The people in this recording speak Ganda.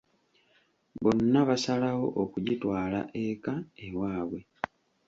Bonna basalawo okugitwala eka ewaabwe.